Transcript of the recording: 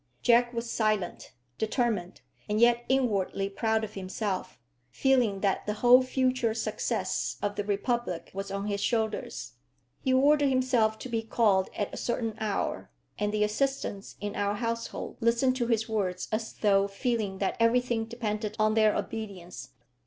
Jack was silent, determined, and yet inwardly proud of himself, feeling that the whole future success of the republic was on his shoulders. He ordered himself to be called at a certain hour, and the assistants in our household listened to his words as though feeling that everything depended on their obedience.